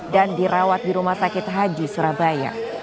dan dirawat di rumah sakit haji surabaya